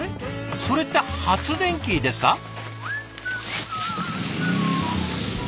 それって発電機ですか？